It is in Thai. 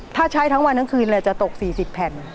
ถ้าใช้ทั้งวันทั้งคืนเลยจะตก๔๐แผ่น